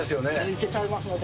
行けちゃいますので。